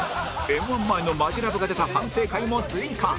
Ｍ−１ 前のマヂラブが出た反省会も追加